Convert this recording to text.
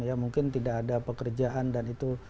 ya mungkin tidak ada pekerjaan dan itu